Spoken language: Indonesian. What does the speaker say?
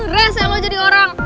res ya lo jadi orang